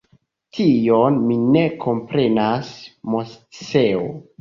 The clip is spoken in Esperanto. Tion mi ne komprenas, Moseo.